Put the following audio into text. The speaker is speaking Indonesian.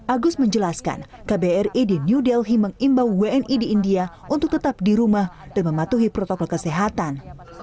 agus menjelaskan kbri di new delhi mengimbau wni di india untuk tetap di rumah dan mematuhi protokol kesehatan